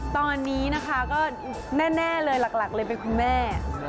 ตอนนี้นะคะก็แน่เลยหลักเลยเป็นคุณแม่